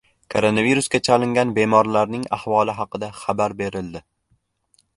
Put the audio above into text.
Koronavirusga chalingan bemorlarning ahvoli haqida xabar berildi